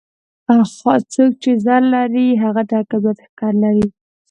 څوک چې زر لري هغه د حاکميت ښکر لري.